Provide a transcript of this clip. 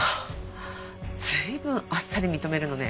随分あっさり認めるのね。